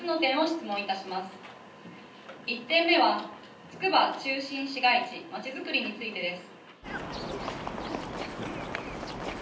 １点目はつくば中心市街地まちづくりについてです。